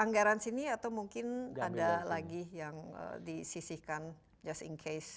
anggaran sini atau mungkin ada lagi yang disisihkan just in case